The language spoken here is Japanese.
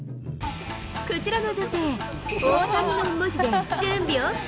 こちらの女性、オータニの文字で準備ＯＫ。